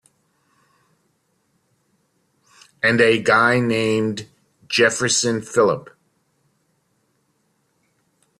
And a guy named Jefferson Phillip.